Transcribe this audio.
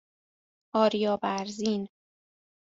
آریابرزین